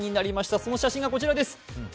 その写真がこちらです。